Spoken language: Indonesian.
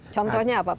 contohnya apa pak sajar